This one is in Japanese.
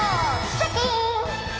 シャキーン！